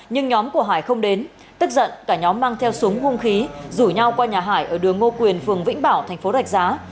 nhưng nhóm của hải không đến tức giận cả nhóm mang theo súng hung khí rủ nhau qua nhà hải ở đường ngô quyền phường vĩnh bảo thành phố rạch giá